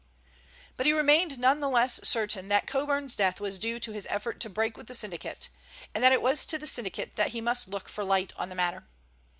But he remained none the less certain that Coburn's death was due to his effort to break with the syndicate, and that it was to the syndicate that he must look for light on the matter.